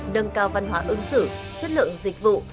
nâng cao văn hóa ứng xử chất lượng dịch vụ